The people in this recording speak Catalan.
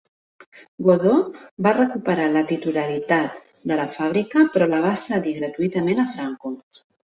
Godó va recuperar la titularitat de la fàbrica però la va cedir gratuïtament a Franco.